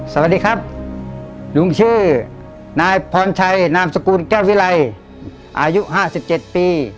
สวัสดีครับลุงชื่อนายพรชัยนามสกุลแก้ววิรัยอายุ๕๗ปี